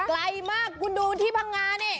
ไกลมากคุณดูที่พังงานี่